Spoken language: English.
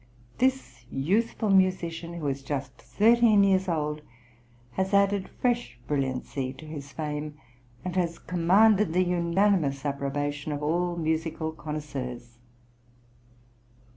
"This youthful musician, who is just thirteen years old, has added fresh brilliancy to his fame, and has commanded the unanimous approbation of all musical connoisseurs."